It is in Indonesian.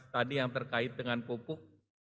tadi yang terkait dengan pupuk